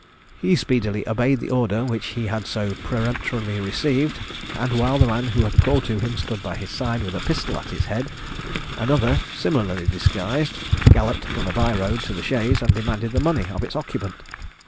He speedily obeyed the order which he had so peremptorily received; and while the man who had called to him stood by his side with a pistol at his head, another, similarly disguised, galloped from a by road to the chaise and demanded the money of its occupant.